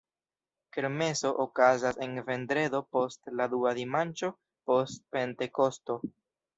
Kermeso okazas en vendredo post la dua dimanĉo post Pentekosto.